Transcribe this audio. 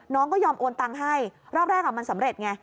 น้องก็ยอมโอนตังค์ให้รอบแรกมันสำเร็จไง